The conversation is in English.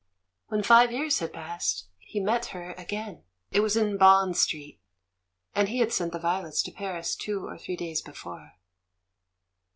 When five years had passed he met her again. It was in Bond Street, and he had sent the violets to Paris two or three days before.